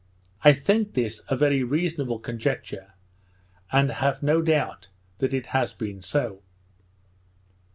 I think this a very reasonable conjecture, and have no doubt that it has been so.